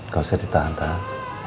gak usah ditahan tahan